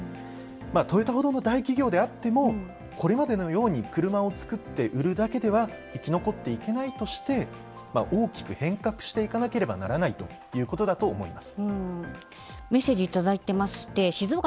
まあトヨタほどの大企業であってもこれまでのように車を作って売るだけでは生き残っていけないとして大きく変革していかなければならないということだと思います。